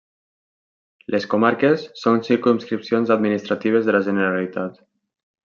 Les comarques són circumscripcions administratives de La Generalitat.